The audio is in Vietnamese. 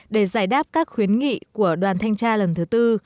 để giải đáp các khuyến nghị của đoàn thanh tra lần thứ tư